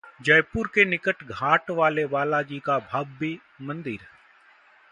जयपुर के निकट घाट वाले बालाजी का भव्य मंदिर